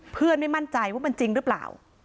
ไม่มั่นใจว่ามันจริงหรือเปล่า